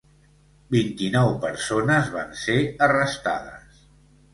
Vint-i-nou persones van ser arrestades.